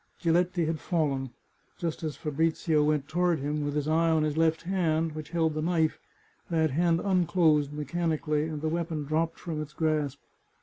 Giletti had fallen. Just as Fabrizio went toward him, with his eye on his left hand, which held the knife, that hand unclosed mechanically, and the weapon dropped from its grasp.